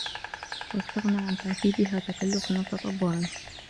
وَاسْتَغْنَى عَنْ تَهْذِيبِهَا تَكَلُّفًا وَتَطَبُّعًا